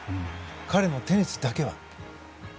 彼のテニスだけは。